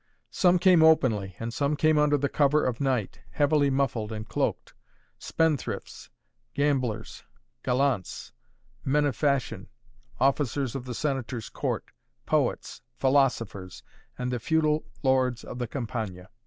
Some came openly and some came under the cover of night, heavily muffled and cloaked: spendthrifts, gamblers, gallants, men of fashion, officers of the Senator's Court, poets, philosophers, and the feudal lords of the Campagna.